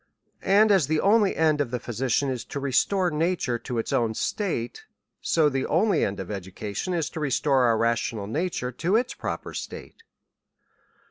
And as the only end of tlie physician is to restore nature to its own state ; so the only end of education is, to restore our rational nature to its proper state.